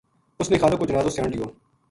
اُس نے خالق کو جنازو سیان لیو